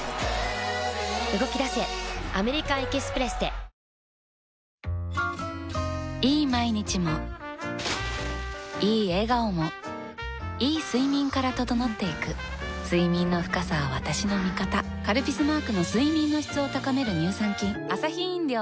大豆麺キッコーマンいい毎日もいい笑顔もいい睡眠から整っていく睡眠の深さは私の味方「カルピス」マークの睡眠の質を高める乳酸菌